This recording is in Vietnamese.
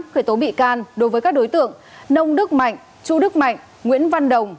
khởi tố bị can đối với các đối tượng nông đức mạnh chu đức mạnh nguyễn văn đồng